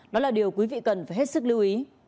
đó là điều quý vị cần phải hết sức lưu ý